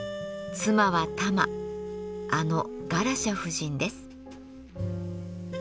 妻は玉あのガラシャ夫人です。